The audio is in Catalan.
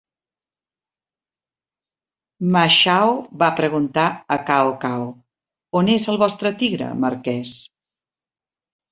Ma Chao va preguntar a Cao Cao: "on és el vostre tigre, marquès?